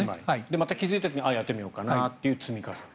また気付いた時にやってみようかなという積み重ね。